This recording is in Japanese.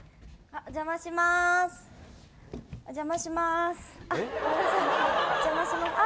お邪魔します。